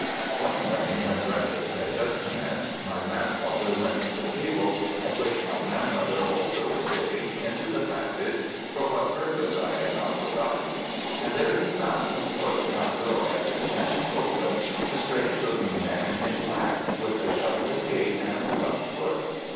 One morning when breakfast had just commenced, my grandfather went from the table, at which my grandmother also was sitting, into the passage, for what purpose I have now forgotten, and there he found (for the front door had been standing open,) a strange looking man in black, with a shuffling gait and a club foot.